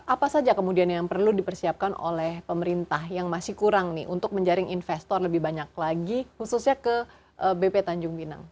apa saja kemudian yang perlu dipersiapkan oleh pemerintah yang masih kurang nih untuk menjaring investor lebih banyak lagi khususnya ke bp tanjung pinang